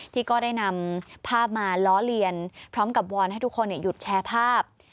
ก็ได้นำภาพมาล้อเลียนพร้อมกับวอนให้ทุกคนหยุดแชร์ภาพ